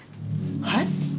はい？